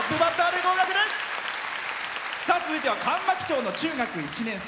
続いては上牧町の中学１年生。